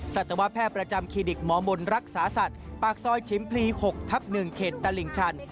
สัตวแพทย์ประจำคลินิกหมอมนรักษาสัตว์ปากซอยชิมพลี๖ทับ๑เขตตลิ่งชัน